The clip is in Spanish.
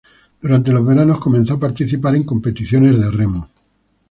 Durante los veranos comenzó a participar en competiciones de remo.